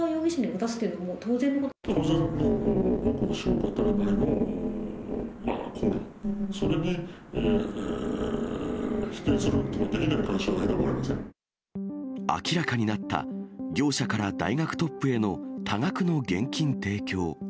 至極当たり前の行為、それが否定するというか、明らかになった、業者から大学トップへの多額の現金提供。